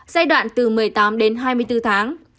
giai đoạn từ một mươi tám đến hai mươi bốn tháng